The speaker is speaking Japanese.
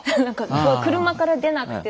車から出なくて済む。